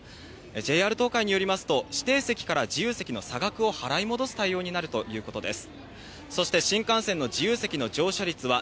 ＪＲ東海によりますと、指定席から自由席の差額を払い戻す対応になるということです。